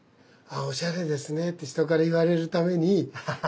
おしゃれですねって人から言われるためにこれ。